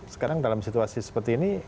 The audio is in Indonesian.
sekarang dalam situasi seperti ini